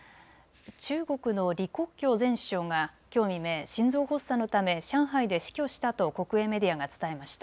中国の李克強前首相がきょう未明、心臓発作のため上海で死去したと国営メディアが伝えました。